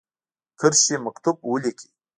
کرښې مکتوب ولیکی.